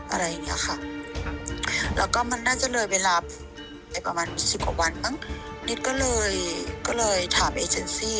อะไรอย่างเงี้ยค่ะแล้วก็มันน่าจะเลยเวลาไอ้ประมาณสิบกว่าวันมั้งนิดก็เลยก็เลยถามไอ้เจนซี่